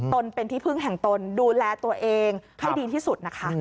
ตนเป็นที่พึ่งแห่งตนดูแลตัวเองให้ดีที่สุดนะคะ